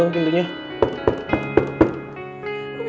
ngapain ngejar gue